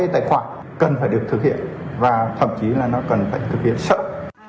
sao kê tài khoản cần phải được thực hiện và thậm chí là nó cần phải thực hiện sớm